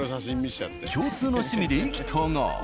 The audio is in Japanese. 共通の趣味で意気投合。